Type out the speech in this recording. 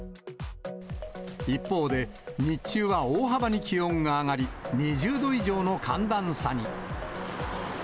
一方で、日中は大幅に気温が上がり、２０度以上の寒暖差に。